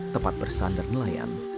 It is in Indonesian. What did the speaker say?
tempat bersandar nelayan